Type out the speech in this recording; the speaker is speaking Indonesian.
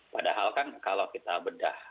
padahal kan kalau kita bedah